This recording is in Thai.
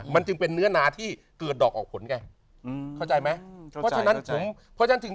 มันจึงเป็นเนื้อนาที่เกือดดอกออกผลแกเข้าใจมั้ยเพราะฉะนั้นต้อง